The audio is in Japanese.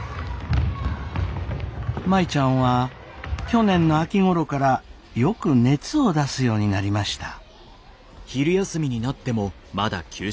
舞ちゃんは去年の秋ごろからよく熱を出すようになりました。